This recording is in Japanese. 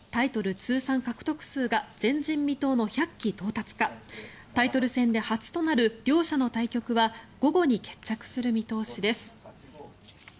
通算獲得数が前人未到の１００期到達かタイトル戦で初となる両者の対局は午後に決着する見通しです。